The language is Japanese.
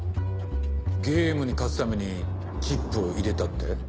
ゲームに勝つためにチップを入れたって？